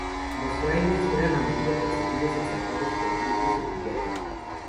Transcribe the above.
Los Frailes eran a menudo perseguidos y asaltados por grupos de pillaje.